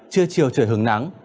chưa chiều trời hứng nắng